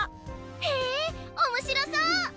へえ面白そう！